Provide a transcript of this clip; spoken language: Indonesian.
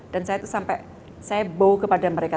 dan saya bau kepada mereka